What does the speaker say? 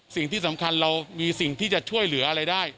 สิ่งที่สำคัญเรามีสิ่งที่จะช่วยเหลืออะไรได้